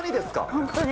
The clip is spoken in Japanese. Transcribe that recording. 本当に。